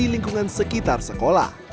di lingkungan sekitar sekolah